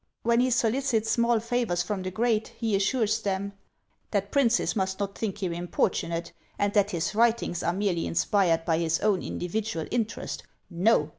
When he solicits small favours from the great, he assures them "that princes must not think him importunate, and that his writings are merely inspired by his own individual interest; no!